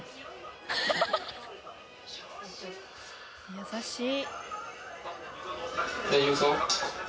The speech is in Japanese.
優しい。